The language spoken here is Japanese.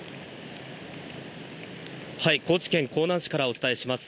はい、高知県香南市からお伝えします。